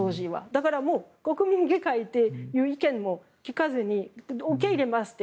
だから、もう国民議会で言う意見も聞かずに受け入れますって。